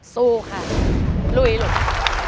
สู้ค่ะลุยหลุด